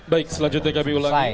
baik selanjutnya kami ulangi